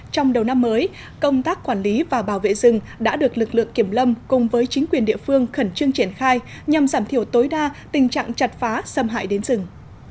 trong đầu năm mới công tác quản lý và bảo vệ rừng đã được lực lượng kiểm lâm cùng với chính quyền địa phương khẩn trương triển khai nhằm giảm thiểu tối đa tình trạng chặt phá xâm hại đến rừng